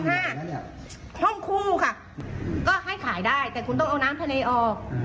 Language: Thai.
ห้องคู่ค่ะก็ให้ขายได้แต่คุณต้องเอาน้ำทะเลออก